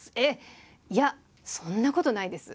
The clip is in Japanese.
いやそんなことないです。